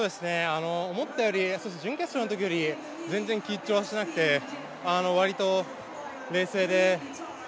思ったより準決勝のときより全然緊張はしていなくて、わりと冷静で。